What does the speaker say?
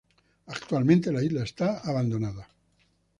Actualmente, la isla está abandonada.